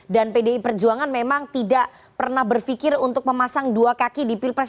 dan pdi perjuangan memang tidak pernah berfikir untuk memasang dua kaki di pilpres